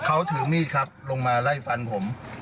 เขาถือมีดครับลงมาไล่ฟันผม